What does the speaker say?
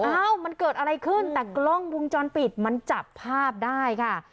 อ้าวมันเกิดอะไรขึ้นแต่กล้องวงจรปิดมันจับภาพได้ค่ะ